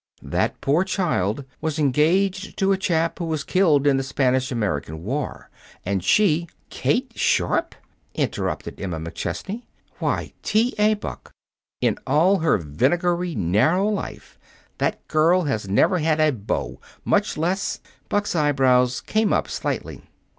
That poor child was engaged to a chap who was killed in the Spanish American war, and she " "Kate Sharp!" interrupted Emma McChesney. "Why, T. A. Buck, in all her vinegary, narrow life, that girl has never had a beau, much less " Buck's eyebrows came up slightly.